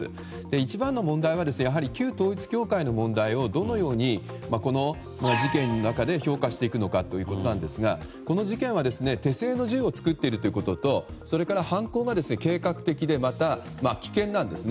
一番の問題はやはり旧統一教会の問題をどのようにこの事件の中で評価していくのかということなんですがこの事件は手製の銃を作っているということとそれから、犯行が計画的でまた危険なんですね。